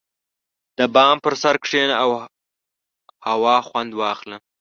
• د بام پر سر کښېنه او هوا خوند واخله.